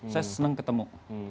saya senang ketemu